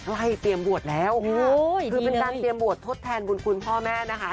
เตรียมบวชแล้วคือเป็นการเตรียมบวชทดแทนบุญคุณพ่อแม่นะคะ